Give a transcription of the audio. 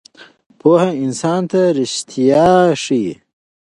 پوهه انسان ته ریښتیا ښیي.